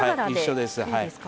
一緒です。